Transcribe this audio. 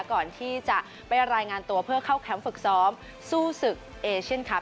ก่อนที่จะไปรายงานตัวเพื่อเข้าแคมป์ฝึกซ้อมสู้ศึกเอเชียนคลับ